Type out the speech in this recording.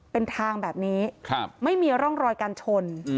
เป็นทางแบบนี้ไม่มีร่องรอยการชน